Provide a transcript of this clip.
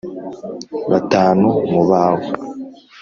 batanu mu bawe :